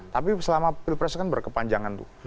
tapi selama pilpres kan berkepanjangan tuh